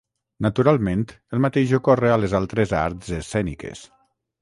Naturalment, el mateix ocorre a les altres arts escèniques.